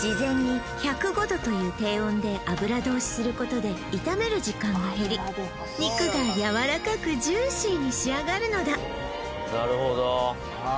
事前に１０５℃という低温で油通しすることで炒める時間が減り肉がやわらかくジューシーに仕上がるのだ